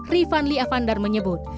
rifan lee avandar menyebut